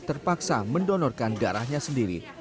terpaksa mendonorkan darahnya sendiri